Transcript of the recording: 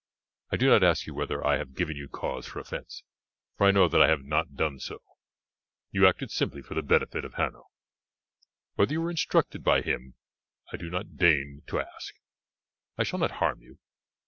I do not ask you whether I have given you cause for offence, for I know that I have not done so; you acted simply for the benefit of Hanno. Whether you were instructed by him I do not deign to ask. I shall not harm you.